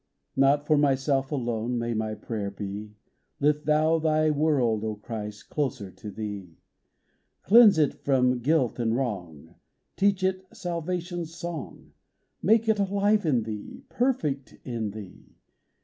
Not for myself alone May my prayer be :— Lift Thou Thy world, O Christ, Closer to Thee ! (24) CLOSER TO CHRIST 2$ Cleanse it from guilt and wrong ; Teach it salvation's song ! Make it alive in Thee, — Perfect in Thee